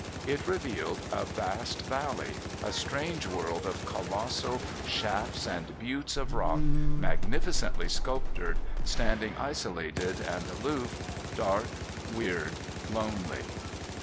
It revealed a vast valley, a strange world of colossal shafts and buttes of rock, magnificently sculptored, standing isolated and aloof, dark, weird, lonely.